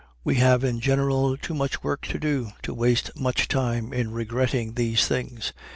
We have in general too much work to do to waste much time in regretting these things.